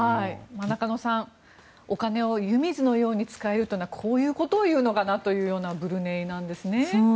中野さん、お金を湯水のように使えるというのはこういうことを言うのかなというブルネイなんですね。